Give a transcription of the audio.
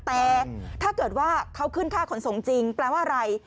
แต่ถ้าเกิดว่าเขาขึ้นค่าขนส่งจริงแปลว่าอะไร